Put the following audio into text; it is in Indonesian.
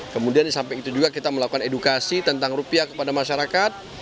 kemudian di samping itu juga kita melakukan edukasi tentang rupiah kepada masyarakat